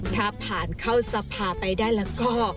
ถ้าผ่านเข้าสภาไปได้แล้วก็